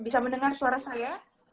bisa mendengar suara saya